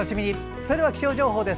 それでは気象情報です。